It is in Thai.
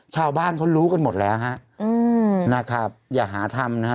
ชาวบ้านเขารู้กันหมดแล้วฮะอืมนะครับอย่าหาทำนะฮะ